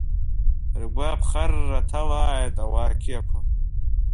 Ргәы аԥхарра ҭалааит ауаа қьиақәа!